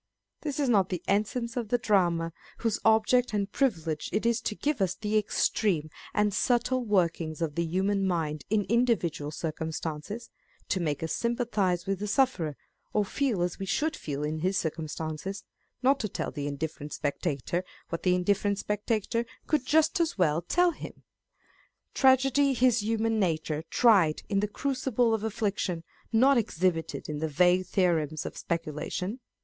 This is not the essence of the drama, whose object and privilege it is to give us the extreme and subtle workings of the human mind in individual circumstances, to make us sympathise with the sufferer, or feel as we should feel in his circumstances, not to tell the indifferent spectator what the indifferent spectator could just as well On Depth and Superficiality. 487 tell him. Tragedy is human nature tried in the crucible of affliction, not exhibited in the vague theorems of specu lation.